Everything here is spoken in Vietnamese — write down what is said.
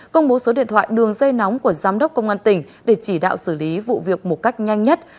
công bố số điện thoại đường dây nóng của giám đốc công an tỉnh để chỉ đạo xử lý vụ việc một cách nhanh nhất